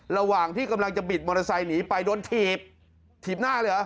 ระหว่างที่กำลังจะบิดมอเตอร์ไซค์หนีไปโดนถีบถีบหน้าเลยเหรอ